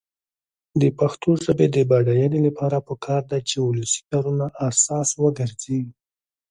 د پښتو ژبې د بډاینې لپاره پکار ده چې ولسي کارونه اساس وګرځي.